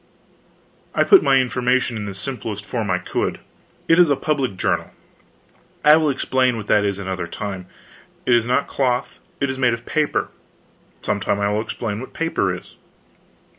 I put my information in the simplest form I could: "It is a public journal; I will explain what that is, another time. It is not cloth, it is made of paper; some time I will explain what paper is.